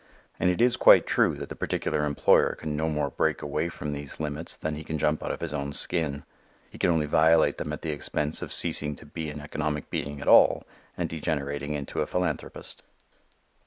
And it is quite true that the particular employer can no more break away from these limits than he can jump out of his own skin. He can only violate them at the expense of ceasing to be an economic being at all and degenerating into a philanthropist.